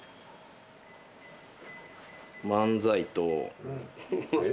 漫才と。